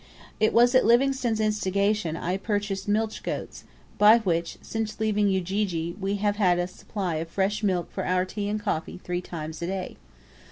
It was at Livingstone's instigation I purchased milch goats, by which, since leaving Ujiji, we have had a supply of fresh milk for our tea and coffee three times a day.